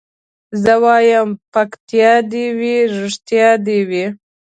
زه وايم پکتيا دي وي رښتيا دي وي